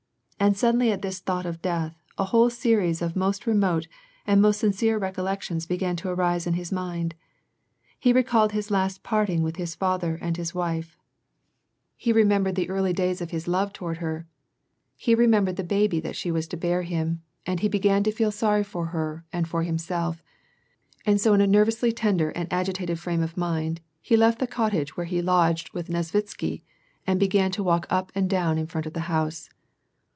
And suddenly at this thought of death, a whole series of most remote and most sincere recollections began to arise in his mind ; he recalled his last parting with his father and his wife; he remembered the early dkja of his lore WAR AND PEACE. S21 toward her ! He remembered the baby that she was to bear him, and he began to feel sorry for her and for himself, and so in a nervously tender^nd agitated frame of mind he left the cottage where he lodged with Xesvitsky, and began to walk up and down in front of the house.